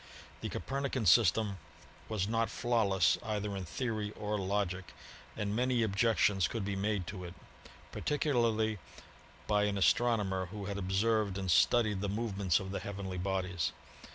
The Copernican system was not flawless either in theory or logic and many objections could be made to it, particu larly by an astronomer who had observed and studied the movements of the heavenly bodies.